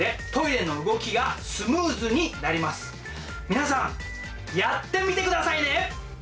皆さんやってみて下さいね！